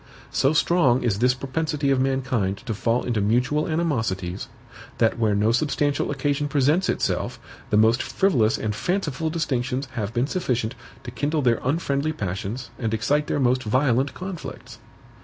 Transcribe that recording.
So strong is this propensity of mankind to fall into mutual animosities, that where no substantial occasion presents itself, the most frivolous and fanciful distinctions have been sufficient to kindle their unfriendly passions and excite their most violent conflicts.